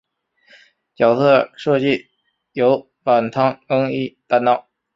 角色设计由板仓耕一担当。